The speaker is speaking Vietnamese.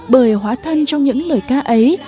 bởi hóa thân trong những lời ca ấy